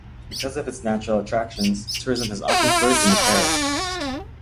Because of its natural attractions, tourism has often flourished in the parish.